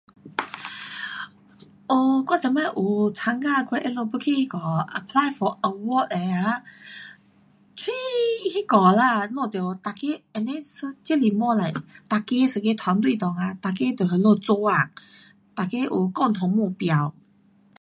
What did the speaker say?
我以前 [unintelligible] 大家都在做工，大家有共同目标。